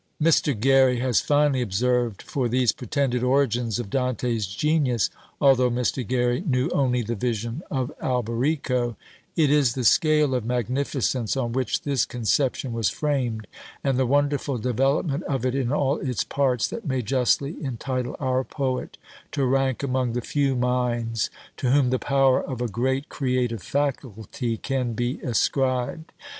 Mr. Gary has finely observed of these pretended origins of Dante's genius, although Mr. Gary knew only the Vision of Alberico, "It is the scale of magnificence on which this conception was framed, and the wonderful development of it in all its parts, that may justly entitle our poet to rank among the few minds to whom the power of a great creative faculty can be ascribed."